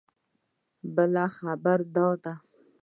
بله خبره دا ده.